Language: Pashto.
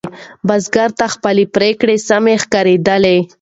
بزګر ته خپله پرېکړه سمه ښکارېدله.